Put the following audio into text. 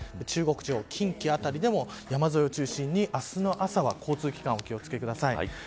中国地方や近畿辺りでも山沿いを中心に明日の朝は交通機関にお気を付けください。